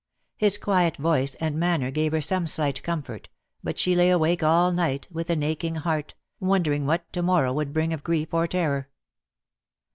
His quiet voice and manner gave her some slight comfort, but she lay awake all night, with an aching heart, wondering what to morrow would bring of grief or terror.